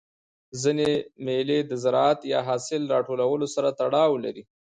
ځيني مېلې د زراعت یا حاصل د راټولولو سره تړاو لري.